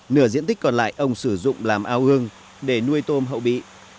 nửa diện tích còn lại ông sử dụng làm ao gương để nuôi tôm hậu bị